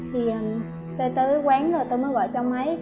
thì tôi tới quán rồi tôi mới gọi cho ông ấy